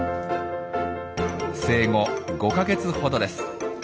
生後５か月ほどです。